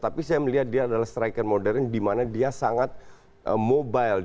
tapi saya melihat dia adalah striker modern di mana dia sangat mobile